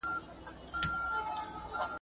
کله دومره بختور یم ..